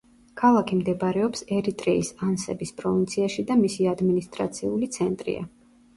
ქალაქი მდებარეობს ერიტრეის ანსების პროვინციაში და მისი ადმინისტრაციული ცენტრია.